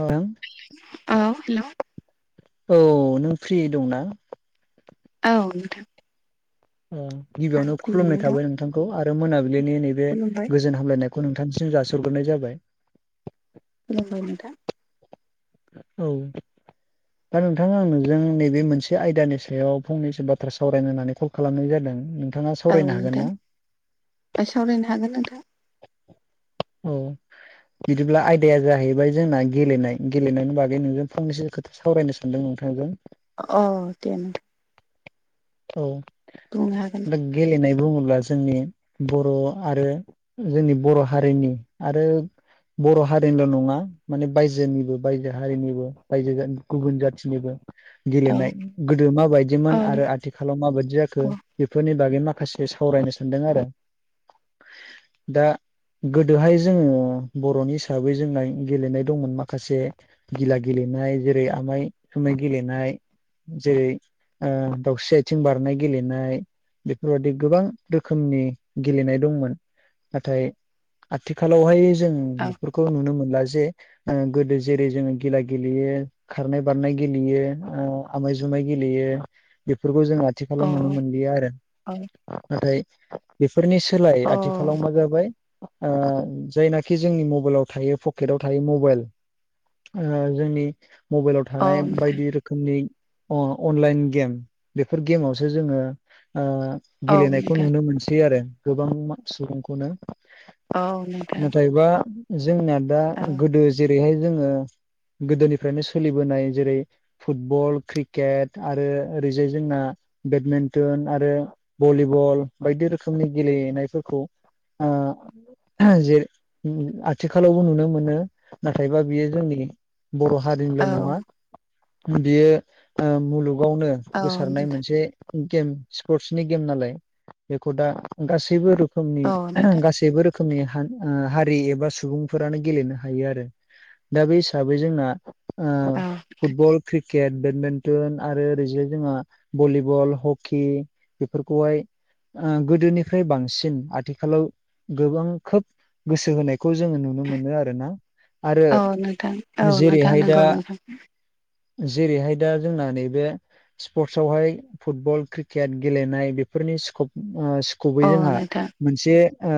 औ औ हेलौ नों फ्रि दंना? औ नोंथां। उम आं गिबियावनो खुलुमनाय फ्रियैनो दं थाबाय नोंथांखौ आरो मोनाबिलिनि नैबे खुलुमबाय गोजोन हामलायनायखौ नोंथांनिसिम जासिहरग्रोनाय जाबाय। खुलुमबाय नोंथां। औ। दा नोंथाङा आं नोंजों नैबे मोनसे आयदानि सायाव फंनैसो बाथ्रा सावरायनो होननानै कल खालामनाय जादों। नोंथाङा ओं सावरायनो हागोन नोंथां। ना ओ सावरायनो हागोन नोंथां। औ बिदिब्ला आयदाया जाहैबाय जोंना गेलेनाय गेलेनायनि बागै नों फंनैसो खोथा सावरायनो सानदों नोंथांजों। औ दे नोथां। औ। बुंनो हागोन। दा गेलेनाय बुङोब्ला जोंनि बर' आरो जोंनि बर' हारिनि आरो बर' हारिनिल' नङा माने बायजोनिबो बायजो हारिनिबो बायजो गुबुन जाथिनिबो औ गेलेनाय गोदो औ माबायदिमोन नों आरो आथिख खालाव माबायदि जाखो औ बेफोरनि बागै माखासे सावरायनो सानदों आरो। दा गोदोहाय जों बर'नि हिसाबै जोंना गेलेनाय दंमोन माखासे। गिला गेलेनाय जेरै आमाय जुमाय गेलेनाय। जेरै ओं दाउस्रि आय थिं बारनाय गेलेनाय बेफोरबादि गोबां रोखोमनि गेलेनाय दंमोन। नाथाय आथिखालावहाय जों औ बेफोरखौ नुनो मोनला जे ओ गोदो जेरै जोङो गेला गेलेयो। खारनाय बारनाय गेलेयो। ओ आमाय जुमाय गेलेयो। फोरखौ जों आथिखालाव औ नुनो मोनलिया आरो। औ नाथाय बेफोरनि सोलाय औ आथिखालाव मा जाबाय। आ जायनाखि जोंनि मबेलाव थायो पकेटाव थायो मबेल। ओ जोंनि मबेलाव औ थानाय नोंथां बायदि रोखोमनि अ-अनलाइन गेम। बेफोर गेमावसो जोङो ओ औ गेलेनायखौ नोंथां नुनो मोनसै आरो। गोबां मा सुबुंखौनो औ नोंथां नाथायबा जोंना दा औ गोदो जेरैहाय जोङो। गोदोनिफ्रायनो सोलिबोनाय जेरै फुटबल, क्रिकेट आरो ओरैजाय जोंना बेडमेन्टोन आरो। भलिबल बायदि रोखोमनि गेलेनायफोरखौ ओ जे उम आथिखालावबो नुनो मोनो। नाथायबा बियो जोंनि बर' औ हारिनिल' नङा बियो ओ मुलुगावनो औ गोसारनाय नोंथां मोनसे गेम सिपरसनि गेम नालाय बेखौ दा गासैबो रो खोमनि औ नोंथां गासैबो रोखोमनि हान आ हारि एबा सुबुंफोरानो गेलेनो हायो आरो। दा बे हिसाबै जोंना ओ औ फुटबल, क्रिकेट, बेडमेन्टोन आरो ओरैजाय जोंहा बलिबल, हकि बेफोरखौहाय आ गोदोनिफ्राय बांसिन आथिखालाव गोबां खोब गोसो होनायखौ जोङो नु नो मोनो आरो ना। आरो औ नोंथां औ नोंथां जेरैहाय दा नंगौ नोंथां जेरैहाय दा जोंना नैबे सिपरसावहाय फुटबल, क्रिकेट गेलेनाय बेफोरनि सिकप ओ सि खौबै अ जोंहा नोंथां मोनसे ओ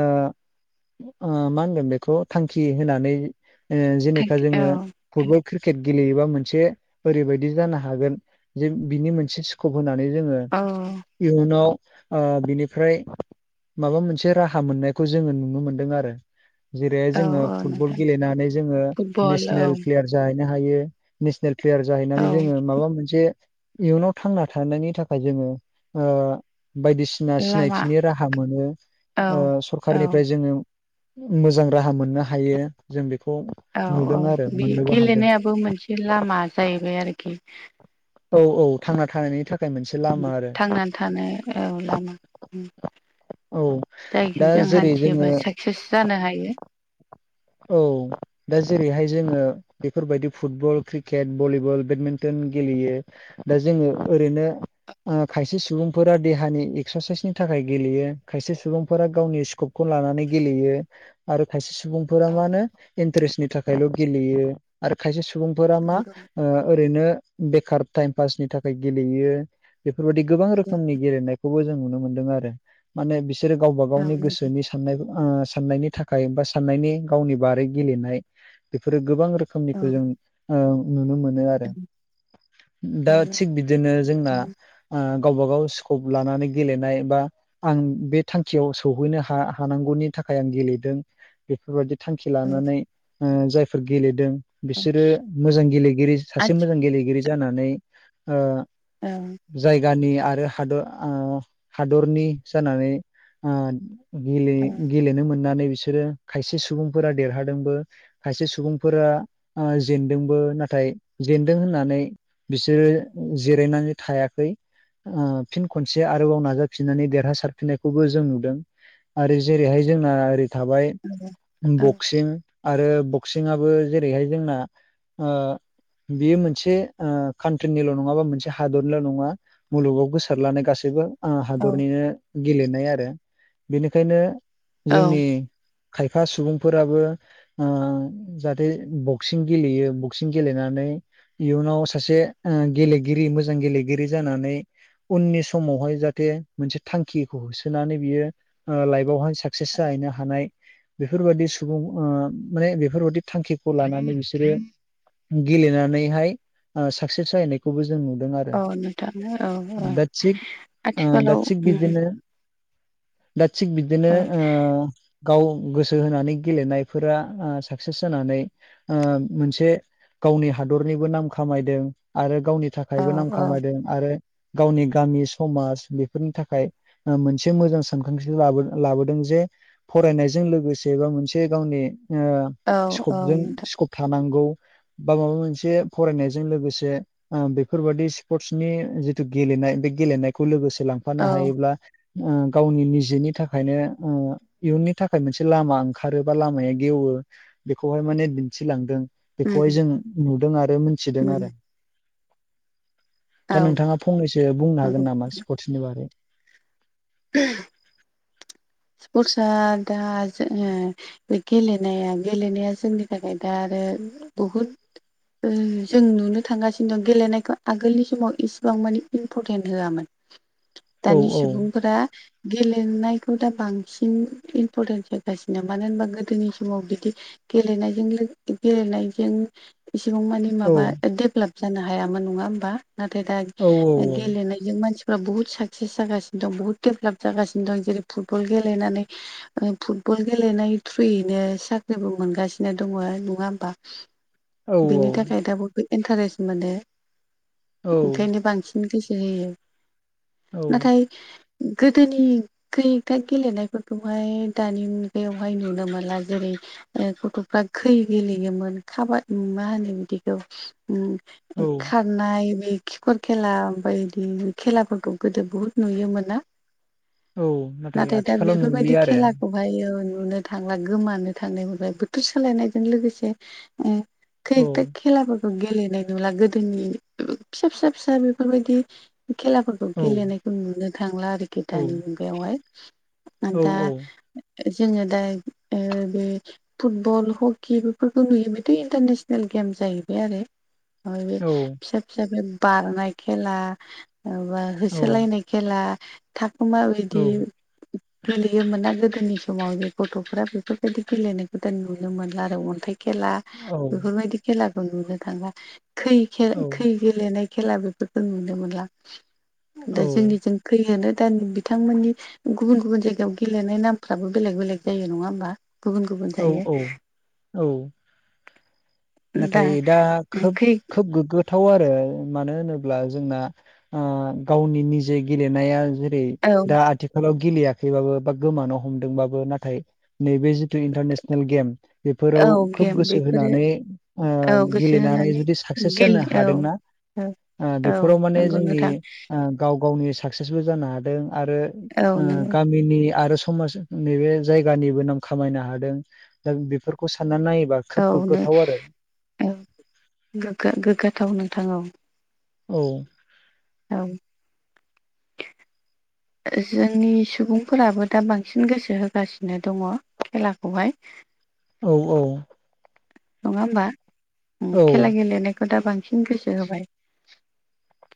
ओ मा होनगोन बेखौ थांखि होनानै ओ जेनेखा औ जोङो फुटबल, क्रिकेट गेलेयोबा मोनसे ओरैबायदि जानो हागोन। जे बिनि मोनसे सिकप होनानै जोङो अ' इयुनाव ओ बिनिफ्राय माबा मोनसे राहा मोननायखौ जोङो नुनो मोनदों आरो। जेरैहाय औ जोङो फुटबल नोंथां गेलेनानै जोङो फुटबल औ नेसनेल प्लेयार जाहैनो हायो। नेसनेल प्लेयार औ जाहैनानै जोङो माबा मोनसे इयुनाव थांना थानायनि थाखाय जोङो ओ बायदिसि ना लामा सिनायथिनि राहा मोनो। औ ओ औ सरखारनिफ्राय जोङो मोजां राहा मोननो हायो जों बेखौ औ औ नुदों आरो बे मोननोबो हादों गेलेनायाबो मोनसे लामा जाहैबाय आरोखि। औ औ थांना थानायनि थाखाय मोनसे लामा आरो थांनानै थानो औ लामा उम। औ दा जायजों जों जेरै हान्थियोबा जोङो साक्सेस जानो हायो। औ दा जेरैहाय जोङो बेफोरबायदि फुटबल, क्रिकेट, भलिबल, बेडमिन्टन गेलेयो। दा जोङो ओरैनो ओ खायसे सुबुंफोरा देहानि एक्सारसाइसनि थाखाय गेलेयो खायसे सुबुंफोरा गावनि स्कप खौ लानानै गेलेयो आरो खायसे सुबुंफोरा औ मा होनो इन्टारेस्टनि थाखायल' गेलेयो। आरो खायसे सुबुंफोरा मा नंगौ ओ ओरैनो बेखार टाइम पासनि थाखाय गेलेयो बेफोरबायदि गोबां रोखोमनि गेलेनायखौबो जों नुनो मोनदों। आरो माने बिसोरो गावबा औ गावनि गोसोनि साननाय ओ साननायनि थाखाया बा साननायनि गावनि बारै गेलेनाय बेफोरो गोबां रोखोम औ खोमनिखौ जों ओ नुनो मोनो आरो दा औ थिग बिदि बिदिनो जोंना ओ गावबा गाव स्कप लानानै गेलेनाय बा आं बे थांखियाव सौहैनो हा हानांगौनि थाखाय आं गेलेदों बेफोरबायादि थांखि औ लानानै ओ जायफोर गेलेदों बिसोरो मोजां गेलेगिरि सासे आथि मोजां गेलेगिरि जानानै ओ ओ जायगानि आरो हादर ओ हादरनि जानानै ओ गेले औ गेलेनो मोननानै बिसोरो खायसे सुबुंफोरा देरहादोंबो खायसे सुबुंफोरा जेनदोंबो नाथाय जेनदों होननानै बिसोरो जिरायनानै थायाखै। ओ फिन खनसे आरोबाव नाजाफिननानै देरहासारफिननायखौबो जों नुदों। आरो जेरैहाय जोंना ओरै थाबाय [unintelligible] बक्सिं आरो बक्सिं आबो जेरैहाय जोंना ओ बेयो मोनसे ओ कान्ट्रिनिल' नङा बा मोनसे हादरनिल' नङा मुलुगाव गोसार लानाय गासैबो ओ औ हादरनिनो गेलेनाय आरो बेनिखायनो औ जोंनि [unintelligible] सुबुंफोराबो ओ जाहाथे बक्सिं गेलेयो बक्सिं गेलेनानै इयुनाव सासे गेलेगिरि मोजां गेलेगिरि जानानै उननि समावहाय जाहाथे मोनसे थांखिखौ होसोनानै बियो लाइफवहाय साक्सेस जाहैनो हानाय बेफोरबादि सुबुं माने बेफोरबाददि थांखिखौ लानानै बिसोरो गेलेनानैहाय ओ साकसेस जाहैनाय खौबो जों नुदों। आरो औ नोंथां औ औ दा थिग ओ दा आथिखालाव थिक उम बिदिनो दा थिक बिदिनो औ ओ गाव गोसो होनानै गेलेनायफोरा साक्सेस जानानै ओ मोनसे गावनि हादरनिबो नाम खामायदों आरो गावनि औ थाखायबो नाम औ खामायदों। आरो गावनि गामि समाज बेफोरनि थाखाय मोनसे मोजां सानखांथि लाबोदों जे फरायनायजों लोगोसे एबा मोनसे गावनि ओ औ औ स्कपजों नोंथां स्कप थानांगौ बा माबा मोनसे फरायनायजों लोगोसे ओ बेफोरबादि स्पर्टसनि जिथु गेलेनाय बे गेलेनायखौ लोगोसे लांफ फानो औ हायोब्ला गावनि निजेनि थाखायनो ओ इयुननि थाखाय मोनसे लामा ओंखारो बा लामाया गेवो बेखौहाय माने दिन्थिलांदों बेखौहाय उम जों नुदों आरो मोनथिदों उम आरो। औ दा नोंथाङा फंनैसो बुंनो नंगौ हागोन नामा स्पर्ट्सनि बारै [unintelligible] स्पर्टस आ दा जों बे गेलेनाया गेलेनाया जोंनि थाखाय दा आरो बहुद जों नुनो थांगासिनो दं गेलेनायखौ आगोलनि समाव इसिबां मानि इम्परटेन्ट होआमोन। [unintelligible] दानि सुबुंफोरा गेलेनायखौ दा बांसिन इम्परटेन्स जागासिनो मानो होनबा गोदोनि समाव बिदि गेलेनायजों गेलेनायजों एसेबां मानि औ माबा डेभलाभ जानो हायामोन नङा होमबा। नाथाय दा औ गेलेनायजों मानसिफ्रा बहुत साक्सेस जागानो दं बुहुत डेभेलप जागासिनो दं। जेरै फुत फुटबुल गेलेनानै फुटबल गेलेनाय थ्रुयैनो साख्रिबो मोनगासिनो दङ नङा होमबा। [unintelligible] बेनि थाखाय दा बयबो इन्टारेस्ट मोने औ ओंखायनो बांसिन गोसो होयो। औ नाथाय गोदोनि गो दा गेलेनायफोरखौहाय दानि मुगायावहाय नुनो मोनला। जेरै गथ'फ्रा खै गेलेयोमोन खाबादि मा होनो बिदिखौ औ। हनाय बे खिखर खेला बायदि खेलाफोरखौ गोदो बुहुत नुयोमोनना। औ। नाथाय दा आथिखालाव बेफोरबायदि नुलिया आरो खेलाखौ ओमफ्रायो नुनो थांला गोमानो थांनाय मोनफ्राय बोथोर सालायनायजों लोगोसे औ थिक खेलाबो गेलेनाय नुला गोदोनि फिसा फिसा फिसा बेफोरबायदि खेलाफोरखौ औ गेलेनायखौ नुनो थांला आरोखि औ दानि मुगायावहाय। औ दा जोङो दा बे फुटबल हकि बेफोरखौ नुयो मथ' इन्टारनेसनेल गेम जाहैबाय आरो बे औ फिसा फिसा बे बारनाय खेलाबा होसोलायनाय खेला थाखुमा बिदि [inaudible] गेलेयोमोना गोदोनि समाव ज गथ'फोरा्रा बेफोरबायदि गेलेनायखौदान नुनो मोनला आरो। अन्थाइ खेला बेफोरबायदि खेलाखौ नुनो थांलाय। खै खै गेलेनाय खेला बेफोरखौ नुनो मोनला। दा औ जोंनिजों खैयो नो दा बिथांमोननि गुबुन गुबुन जायगायाव गेलेनाय नामफ्राबो बेलेग बेलेग जायो नङा होमबा। गुबुन गुबुन औ जायो औ औ। नाथाय दा खोब खै खोब गोग्गो हाथाव आरो मानो होनोब्ला जोंना आ गावनि निजे गेलेनाया। जेरै औ दा आथिखालाव गेलेयाखैबाबो बा गोमानानो हमदोंबाबो नाथाय नैबे जों इन्टारनेसनेल गेम बेफोराव औ खोब गेम गोसो बेफोरो होनानै आ औ गोसो गेलेनानै होनानै जुदि साक्सेस जानो गेले औ हादोंना। औ आ औ बेफोराव माने नंगौ जोंनि नोंथां गाव गावनि साक्सेसबो जानो हादों आरो औ आ नंगौ गामिनि आरो समाज नैबे जायगानिबो नाम खामायनो हादों दा बेफोरखौ साननानै नायोबा औ खोब ने गोग्गाथाव आरो औ गो गोग्गाथाव नोंथां औ। औ। औ। [inaudible] जोंनि सुबुंफोराबो दा बांसिन गोसो होगासिनो दङ। खेलाखौहाय औ औ नङा होमबा औ खेला गेलेनायखौ दा बांसिन गोसो होबाय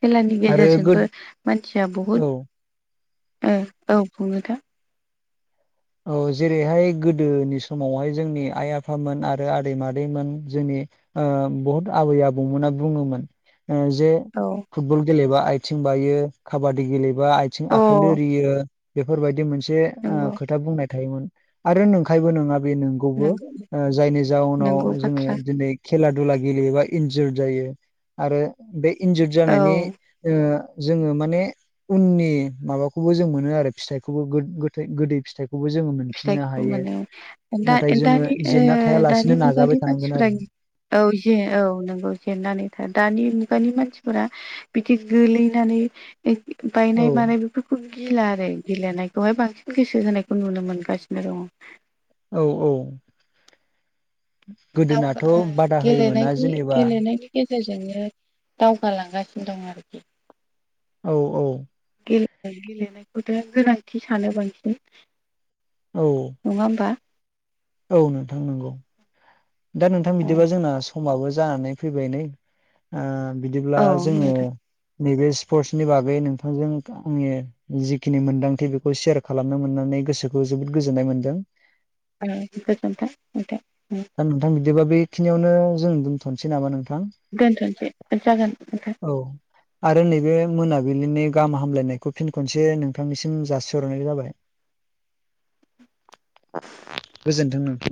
खेलानि आरो गो गेजेरजोंबो मानसिया औ बहुद ओ औ बुङो दा औ जेरैहाय गोदोनि समावहाय जोंनि आइ आफामोन आरो आदै मादैमोन जोंनि आ बहुत आबै आबौमोना बुङोमोन जे औ फुटबल गेलेबा आथिं बायो खाबादि गेलेबा आथिं अ आखाइ लोरियो बेफोरबायदि मोनसे आ नंगौ खोथा बुंनाय थायोमोन आरो नोंखायबो नङा बे मोन खौबो नंगौ जायनि जाउनाव नंगौ बाथ्रा जोङो दिनै खेला दुला गेलेयोबा इन्जुर जायो आरो बे इन्जुर जानायनि औ ओ जोङो माने उननि माबाखौबो जों मोनो आरो फिथाइखौबो गो गोथै गोदै फिथाइखौबो जोङो मोनफिननो फिथाइखौ हायो। मोनो दा नाथाय जोङो दानि जेनना थायालासिनो ओदानि नाजाबाय मुगानि थानांगोन आरो मानसिफ्रा गि औ जे औ नोंगौ जेननानै था दानि मुगानि मानसिफोरा बिदि गोलैनानै औ बायनाय मानाय बेफोरखौ गिला आरो गिलेनायखौहाय बांसिन गोसो होनायखौ नुनो मोनो गासिनो दङ औ औ दाव गोदोनाथ' बादा होयोमोना गेलेनायनि जेनेबा गेलेनायनि गेजेरजोंनो दावगालांगासिनो दं आरोखि औ औ गेलेनाय गेलेनायखौथ' गोनांथि सानो बांसिन औ नङा होनबा औ नोंथां नंगौ दा नोंथां बिदिबा जोंना समाबो जानानै फैबाय नै आ बिदिब्ला औ जोङो नोंथां नैबे स्पर्टसनि बागै नोंथांजों फंने जिखिनि मोनदांथि बेखौ सेयार खालामनो मोननानै गोसोखौ जोबोद गोजोननाय मोनदों औ गोजोनथों नोंथां दा नोंथां बिदिबा बेखिनियावनो जों दोनथ'नोसै नामा नोंथां दोनथ'नोसै जागोन नोंथां औ आरो नैबे मोनाबिलिनि गाहाम हामलायनायखौ फिन खनसे नोंथांनिसिम जासिहरनाय जाबाय गोजोनथों नोंथां